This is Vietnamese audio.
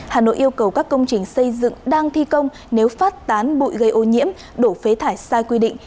hà nội yêu cầu các công trình xây dựng đang thi công nếu phát tán bụi gây ô nhiễm đổ phế thải sai quy định